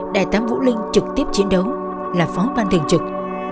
đại tá vũ linh trực tiếp chiến đấu là phó ban thường trực